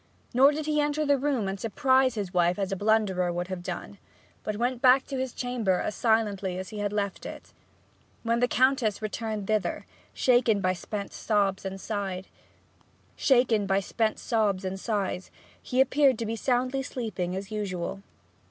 Nor did he enter the room and surprise his wife as a blunderer would have done, but went back to his chamber as silently as he had left it. When the Countess returned thither, shaken by spent sobs and sighs, he appeared to be soundly sleeping as usual.